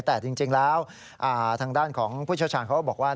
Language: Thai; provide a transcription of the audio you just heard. แต่จริงแล้วทางด้านของผู้เชี่ยวชาญเขาก็บอกว่า